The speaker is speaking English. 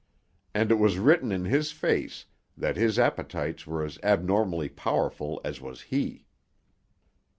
And it was written in his face that his appetites were as abnormally powerful as was he.